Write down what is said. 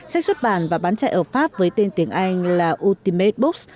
sách xuất bản và bán chạy ở pháp với tên tiếng anh là utimate books